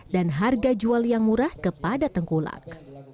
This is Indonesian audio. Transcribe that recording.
harga jual yang murah kepada tengkulak